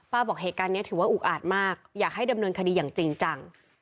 บอกเหตุการณ์นี้ถือว่าอุกอาจมากอยากให้ดำเนินคดีอย่างจริงจัง